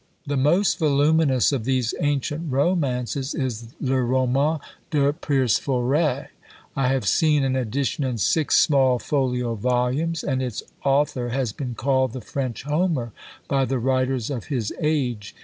The most voluminous of these ancient romances is "Le Roman de Perceforest." I have seen an edition in six small folio volumes, and its author has been called the French Homer by the writers of his age.